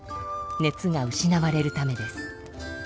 熱が失われるためです。